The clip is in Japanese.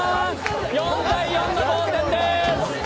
４−４の同点です！